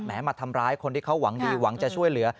มาทำร้ายคนที่เขาหวังดีหวังจะช่วยเหลือ